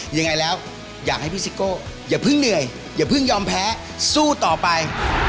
ยังไงแล้วอยากให้พี่ซิโก้อย่าเพิ่งเหนื่อยอย่าเพิ่งยอมแพ้สู้ต่อไป